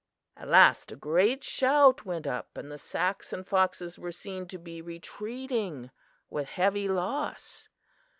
"At last a great shout went up, and the Sacs and Foxes were seen to be retreating with heavy loss.